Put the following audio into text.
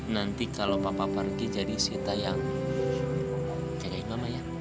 nanti kalau bapak pergi jadi sita yang kayak mama ya